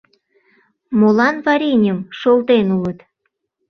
Молан вареньым шолтен улыт?